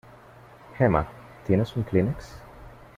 Gemma, ¿tienes un kleenex?